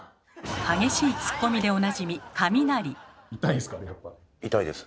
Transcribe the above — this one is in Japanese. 激しいツッコミでおなじみカミナリ。